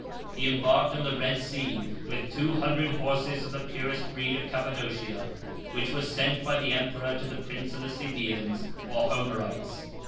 He embarked on the Red Sea with two hundred horses of the purest breed of Cappadocia, which were sent by the emperor to the prince of the Sabæans, or Homerites.